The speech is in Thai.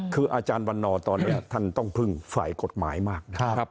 คืออาจารย์วันนอร์ตอนนี้ท่านต้องพึ่งฝ่ายกฎหมายมากนะครับ